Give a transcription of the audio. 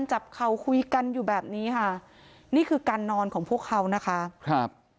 จับเข่าคุยกันอยู่แบบนี้ค่ะนี่คือการนอนของพวกเขานะคะครับ